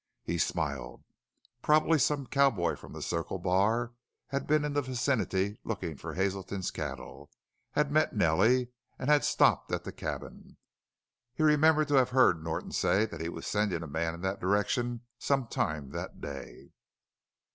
He smiled. Probably some cowboy from the Circle Bar had been in the vicinity looking for Hazelton's cattle, had met Nellie, and had stopped at the cabin. He remembered to have heard Norton say that he was sending a man in that direction some time that day.